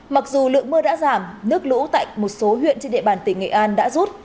mặc dù lượng mưa đã giảm nước lũ tại một số huyện trên địa bàn tỉnh nghệ an đã rút